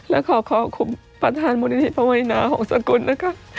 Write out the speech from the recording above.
และขอบคุณประธานมดินิพระมนินาของสกุลนะคะ